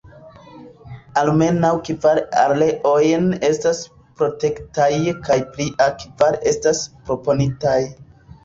Almenaŭ kvar areojn estas protektataj kaj plia kvar estas proponitaj.